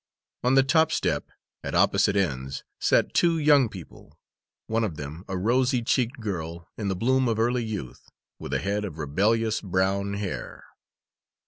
On the top step, at opposite ends, sat two young people one of them a rosy cheeked girl, in the bloom of early youth, with a head of rebellious brown hair.